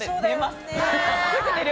すぐ寝る！